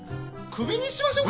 クビにしましょう。